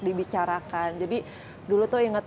dibicarakan jadi dulu tuh inget